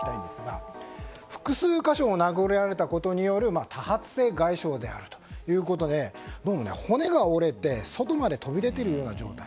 複数箇所を殴られたことによる多発性外傷であるということでどうも骨が折れて外まで飛び出ているような状態。